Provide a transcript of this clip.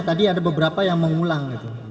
tadi ada beberapa yang mengulang